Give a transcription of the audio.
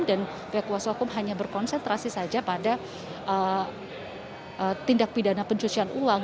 dan pihak puasa hukum hanya berkonsentrasi saja pada tindak pidana pencucian uang